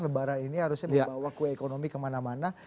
lebaran ini harusnya membawa kue ekonomi kemana mana